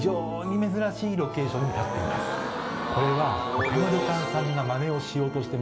これは。